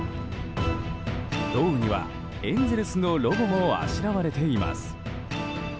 胴にはエンゼルスのロゴもあしらわれています。